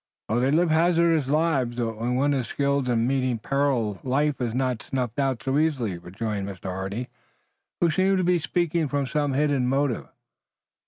"Oh, they live hazardous lives, but when one is skilled in meeting peril life is not snuffed out so easily," rejoined Mr. Hardy who seemed to be speaking from some hidden motive.